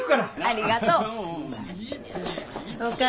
ありがとう。